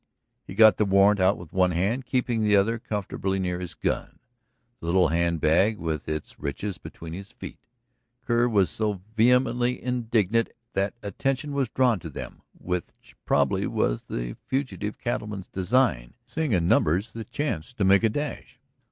He got the warrant out with one hand, keeping the other comfortably near his gun, the little hand bag with its riches between his feet. Kerr was so vehemently indignant that attention was drawn to them, which probably was the fugitive cattleman's design, seeing in numbers a chance to make a dash.